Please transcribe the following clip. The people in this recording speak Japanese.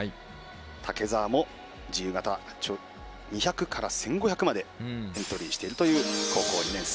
竹澤も自由形、２００から１５００までエントリーしているという高校２年生。